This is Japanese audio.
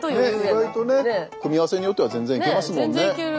組み合わせによっては全然いけますもんね。